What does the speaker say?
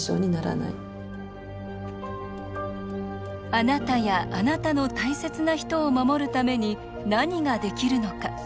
あなたやあなたの大切な人を守るために何ができるのか。